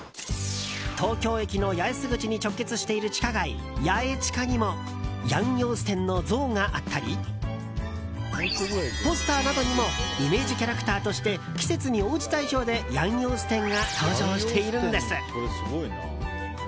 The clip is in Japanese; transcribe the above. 東京駅の八重洲口に直結している地下街ヤエチカにもヤン・ヨーステンの像があったりポスターなどにもイメージキャラクターとして季節に応じた衣装でヤン・ヨーステンが登場しているんです。